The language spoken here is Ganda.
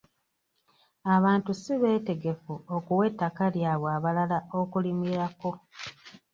Abantu si beetegefu okuwa ettaka lyabwe abalala okulimirako.